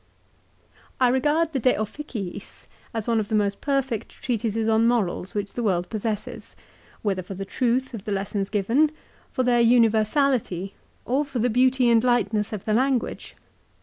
l I regard the " De Officiis " as one of the most perfect treatises on morals which the world possesses, whether for the truth of the lessons given, for their universality, or for the beauty and lightness of the language.